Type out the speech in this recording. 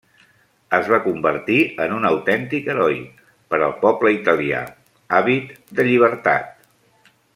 Es va convertir en un autèntic heroi per al poble italià, àvid de llibertat.